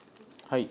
はい。